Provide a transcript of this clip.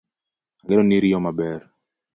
Ageno ni riyo maber